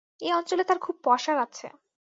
এ অঞ্চলে তাঁর খুব পসার আছে।